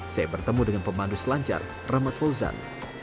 saya bertemu dengan pemandu selancar ramad wolzan